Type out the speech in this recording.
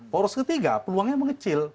poros ketiga peluangnya mengecil